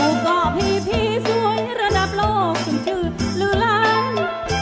มุกก่อพี่พี่สวยระดับโลกจนชื่อลื้อล้าน